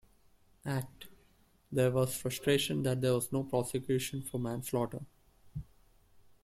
Act, there was frustration that there was no prosecution for manslaughter.